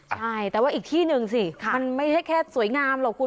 ใช่แต่ว่าอีกที่หนึ่งสิมันไม่ใช่แค่สวยงามหรอกคุณ